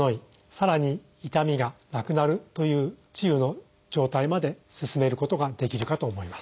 さらに痛みがなくなるという治癒の状態まで進めることができるかと思います。